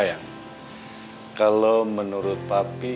sayang kalau menurut pak pi